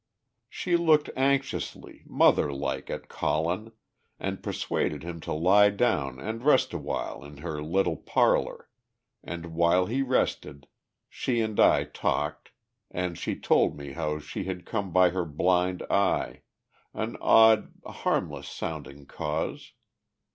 She looked anxiously, mother like, at Colin, and persuaded him to lie down and rest awhile in her little parlour, and, while he rested, she and I talked and she told me how she had come by her blind eye an odd, harmless sounding cause.